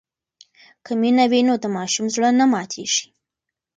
که مینه وي نو د ماشوم زړه نه ماتېږي.